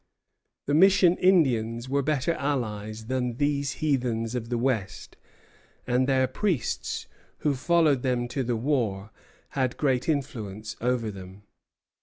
The Mission Indians were better allies than these heathen of the west; and their priests, who followed them to the war, had great influence over them.